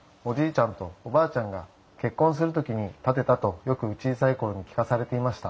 ちゃんとおばあちゃんが結婚する時に建てたとよく小さい頃に聞かされていました。